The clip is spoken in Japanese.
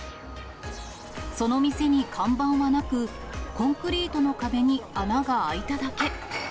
その店に看板はなく、コンクリートの壁に穴が開いただけ。